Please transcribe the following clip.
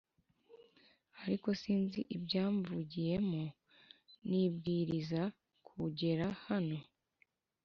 Ariko sinzi ibyamvugiyemo nibwiriza kugera hano